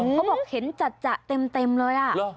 เขาบอกเห็นจัดเต็มเลย